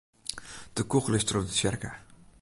De kûgel is troch de tsjerke.